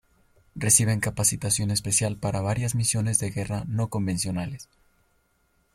Reciben capacitación especial para varias misiones de guerra no convencionales.